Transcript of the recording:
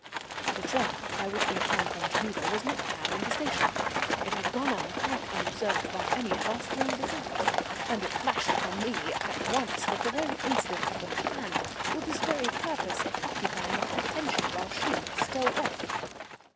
The train by which we had come from Geneva was not now in the station. It had gone on, quite unobserved by any of us during the fracas, and it flashed upon me at once that the incident had been planned for this very purpose of occupying our attention while she stole off.